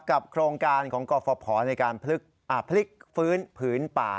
โครงการของกรฟภในการพลิกฟื้นผืนป่า